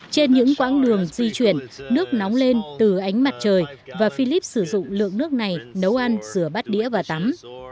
trên những quãng đường di chuyển nước nóng lên từ ánh mặt trời và philip sử dụng lượng nước này nấu ăn rửa bát đĩa và tắm